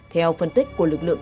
theo phân tích của lực lượng